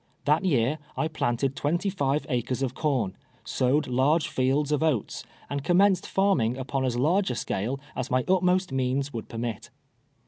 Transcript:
That yeai I phinted twenty live acres of corn, sowed large Helds of oats, and commenced farming upon as large a scale as my utmost means would ])ermit.